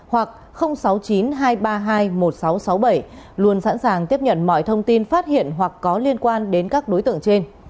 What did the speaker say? sáu mươi chín hai trăm ba mươi bốn năm nghìn tám trăm sáu mươi hoặc sáu mươi chín hai trăm ba mươi hai một nghìn sáu trăm sáu mươi bảy luôn sẵn sàng tiếp nhận mọi thông tin phát hiện hoặc có liên quan đến các đối tượng trên